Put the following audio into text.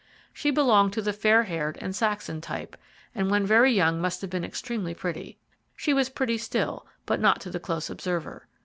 She belonged to the fair haired and Saxon type, and when very young must have been extremely pretty she was pretty still, but not to the close observer.